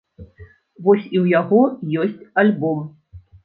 Вось і ў яго ёсць альбом.